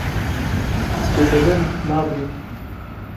Tu bilind nabî.